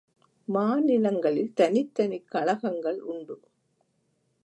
மாநிலங்களில் தனித்தனிக் கழகங்கள் உண்டு.